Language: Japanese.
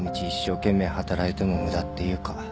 一生懸命働いても無駄っていうか。